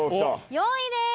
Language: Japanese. ４位です！